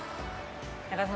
中澤さん